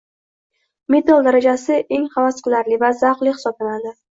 Middle darajasi eng havas qilarli va zavqli hisoblanadi